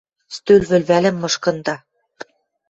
Стӧл вӹлвӓлӹм мышкында.